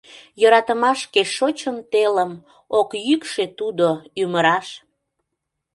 Йӧратымаш кеч шочын телым, Ок йӱкшӧ — тудо ӱмыраш!